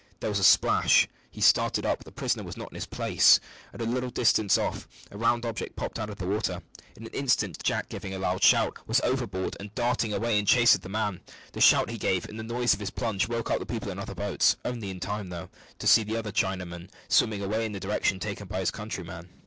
There was a splash. He started up. The prisoner was not in his place. At a little distance off a round object popped out of the water. In an instant Jack, giving a loud shout, was overboard and darting away in chase of the man. The shout he gave and the noise of his plunge woke up the people in the other boats, only in time, though, to see the other Chinaman swimming away in the direction taken by his countryman.